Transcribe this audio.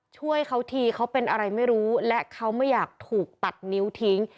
ช่วยเขาทีเขาเป็นอะไรไม่รู้และเขาไม่อยากถูกตัดนิ้วทิ้ง